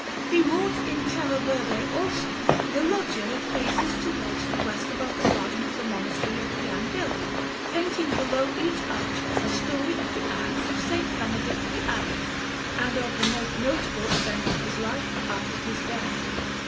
He wrought in terra verde, also, the loggia that faces towards the west above the garden of the Monastery of the Angeli, painting below each arch a story of the acts of S. Benedict the Abbot, and of the most notable events of his life, up to his death.